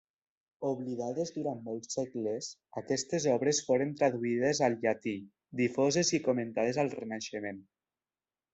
Oblidades durant molts segles, aquestes obres foren traduïdes al llatí, difoses i comentades al Renaixement.